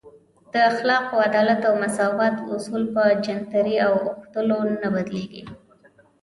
د اخلاقو، عدالت او مساوات اصول په جنترۍ په اوښتلو نه بدلیږي.